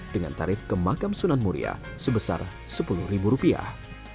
dengan tarif ke makam sunan muria sebesar sepuluh ribu rupiah